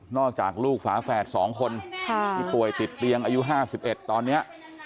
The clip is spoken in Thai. อกจากลูกฝาแฝด๒คนที่ป่วยติดเตียงอายุ๕๑ตอนนี้